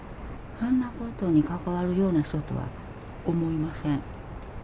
あんなことに関わるような人とは思いません。